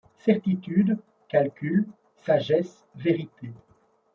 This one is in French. Certitude, calcul, sagesse, vérité ;